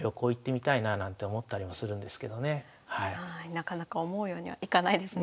なかなか思うようにはいかないですね。